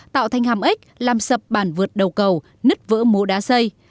tạo thành hàm ếch làm sập bản vượt đầu cầu nứt vỡ mố đá xây